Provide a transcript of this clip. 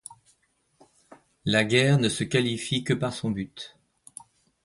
La guerre ne se qualifie que par son but.